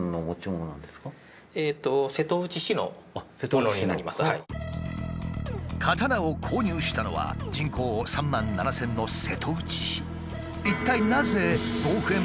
こちらは刀を購入したのは人口３万７，０００の瀬戸内市。